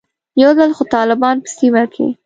یو ځل خو طالبان په سیمه کې.